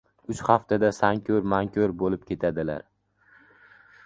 Uch haftada san ko‘r, man ko‘r boTib ketadilar.